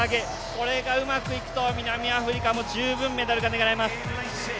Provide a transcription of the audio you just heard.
これがうまくいくと南アフリカも十分メダルが狙えます。